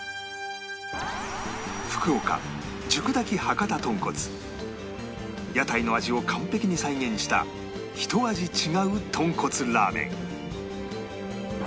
福岡屋台の味を完璧に再現したひと味違うとんこつラーメン